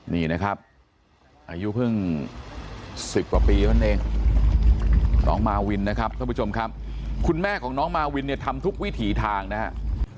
นี่นะครับอายุเพิ่ง๑๐กว่าปีเท่านั้นเองน้องมาวินนะครับท่านผู้ชมครับคุณแม่ของน้องมาวินเนี่ยทำทุกวิถีทางนะครับ